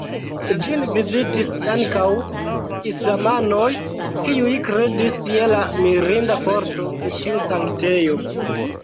Ĝin vizitis ankaŭ islamanoj, kiuj kredis je la mirinda forto de tiu sanktejo.